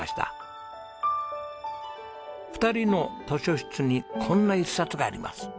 ２人の図書室にこんな一冊があります。